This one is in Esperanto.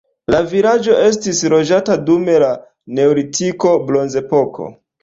La vilaĝo estis loĝata dum la neolitiko bronzepoko.